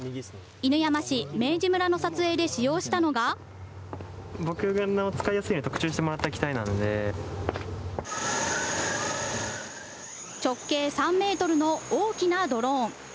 犬山市、明治村の撮影で使用した直径３メートルの大きなドローン。